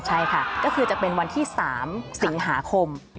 ใช่ค่ะก็คือจะเป็นวันที่๓สิงหาคม